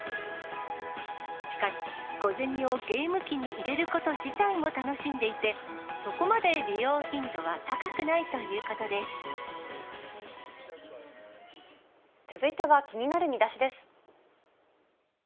しかし、小銭をゲーム機に入れること自体も楽しんでいて、そこまで利用頻続いては気になるミダシです。